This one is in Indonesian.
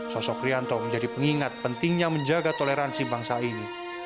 sosok rianto menjadi pengingat pentingnya menjaga toleransi bangsa ini